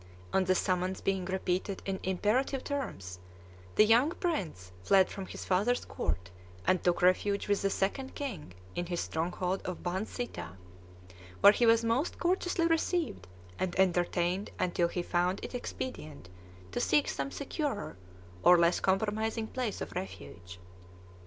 On the summons being repeated in imperative terms, the young prince fled from his father's court and took refuge with the Second King in his stronghold of Ban Sitha, where he was most courteously received and entertained until he found it expedient to seek some securer or less compromising place of refuge.